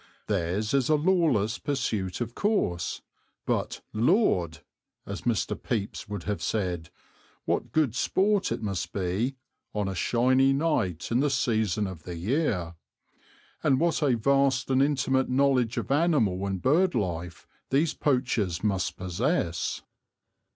Theirs is a lawless pursuit of course, but Lord! as Mr. Pepys would have said, what good sport it must be "on a shiny night in the season of the year," and what a vast and intimate knowledge of animal and bird life these poachers must possess.